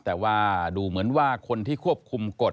แต่ว่าดูเหมือนว่าคนที่ควบคุมกฎ